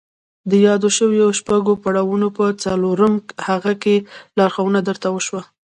د يادو شويو شپږو پړاوونو په څلورم هغه کې لارښوونه درته وشوه.